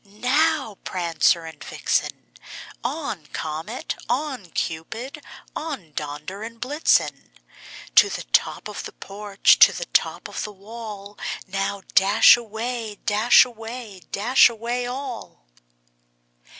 now, Prancer and Vixen! On! Comet, on! Cupid, on! Dunder and Blitzen To the top of the porch, to the top of the wall! Now, dash away, dash away, dash away all!"